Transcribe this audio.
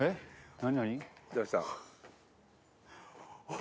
何？